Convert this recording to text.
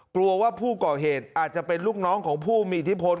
กลัวว่าผู้ก่อเหตุอาจจะเป็นลูกน้องของผู้มีอิทธิพล